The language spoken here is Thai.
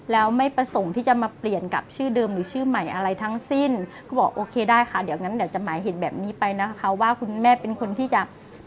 แล้วไม่ประสงค์ที่จะมาเปลี่ยนกับชื่อเดิมหรือชื่อใหม่อะไรทั้งสิ้นก็บอกโอเคได้ค่ะเดี๋ยวงั้นเดี๋ยวจะหมายเห็นแบบนี้ไปนะคะว่าคุณแม่เป็นคนที่จะ